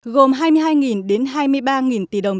gồm hai mươi hai đến hai mươi ba tỷ đồng